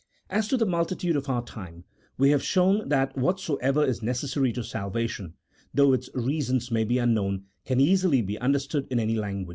As to the multitude of our own time, we have shown that whatsoever is necessary to salvation, though its reasons may be unknown, can easily be understood in any language, i CHAP.